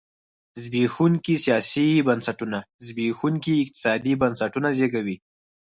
زبېښونکي سیاسي بنسټونه زبېښونکي اقتصادي بنسټونه زېږوي.